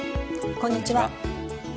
こんにちは。